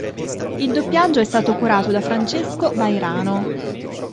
Il doppiaggio è stato curato da Francesco Vairano.